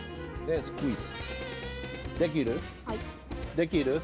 できる？